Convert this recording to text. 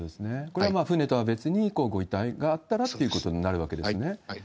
これは船とは別に、ご遺体があったらということになるわけですね？